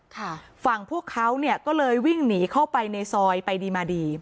ฝั่งพวกเขาเนี่ยก็เลยวิ่งหนีเข้าไปในซอยไปดีมาดี